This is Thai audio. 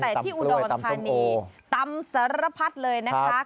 แต่ที่อุดอลคานีตำสะระพัดเลยนะครับ